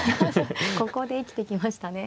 ここで生きてきましたね。